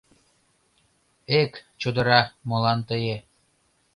Эк, чодыра, молан тые